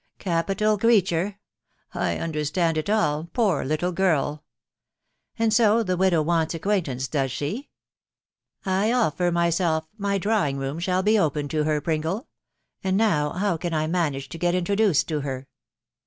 ... Capital creature !.... I understand it all ...• poor little girl !.... And so the widow wants acquaintance does she ?..*• I offer myself, my drawing room shall be open to her, Pringle .... And now, how can I manage to get in troduced to her